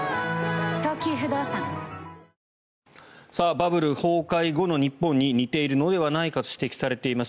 バブル崩壊後の日本に似ているのではないかと指摘されています